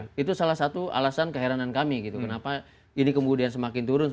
nah itu salah satu alasan keheranan kami gitu kenapa ini kemudian semakin turun